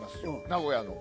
名古屋の。